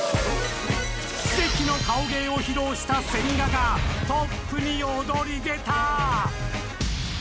奇跡の顔芸を披露した千賀がトップに躍り出た